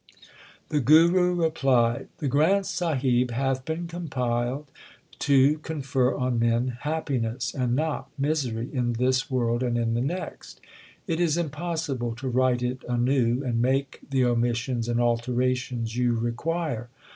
The Guru replied, The Granth Sahib hath been compiled to confer on men happiness and not misery in this world and in the next. It is impossible to write it anew, and make the omissions and altera tions you require.